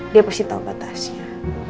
dia pasti tau batasnya